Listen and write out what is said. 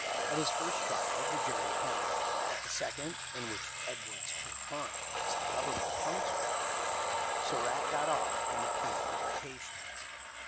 At his first trial the jury hung ; at the second, in whrch Edwards Pierrepont was the Government counsel, Surratt got off on the plea of limitations.